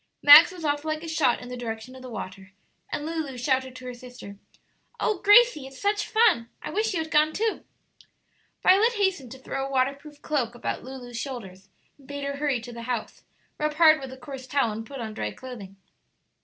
Max was off like a shot in the direction of the water, and Lulu shouted to her sister, "Oh Gracie, it's such fun! I wish you had gone, too." Violet hastened to throw a waterproof cloak about Lulu's shoulders, and bade her hurry to the house, rub hard with a coarse towel, and put on dry clothing.